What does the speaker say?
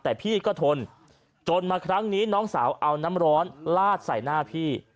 แต่พี่ก็ทนจนมาครั้งนี้น้องสาวเอาน้ำร้อนลาดใส่หน้าพี่